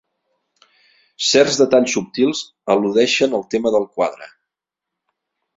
Certs detalls subtils al·ludeixen el tema del quadre.